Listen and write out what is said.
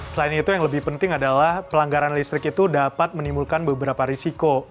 selain itu yang lebih penting adalah pelanggaran listrik itu dapat menimbulkan beberapa risiko